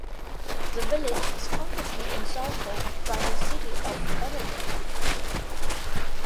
The village is completely encircled by the city of Oregon.